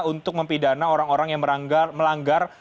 untuk mempidana orang orang yang melanggar